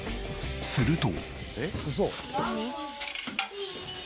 すると。